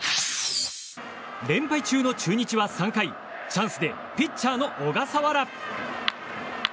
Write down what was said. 連敗中の中日は３回チャンスでピッチャーの小笠原。